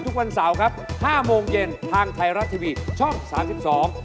ทุกวันเสาร์ครับ๕โมงเย็นทางไทยรัฐทีวีช่อง๓๒